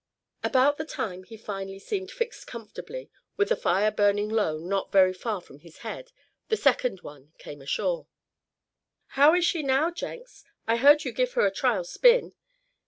About the time he finally seemed fixed comfortably with the fire burning low not very far from his head the second one came ashore. "How is she now, Jenks; I heard you give her a trial spin?"